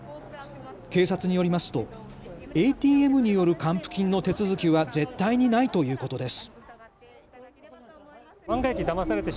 警察によりますとＡＴＭによる還付金の手続きは絶対にないということです。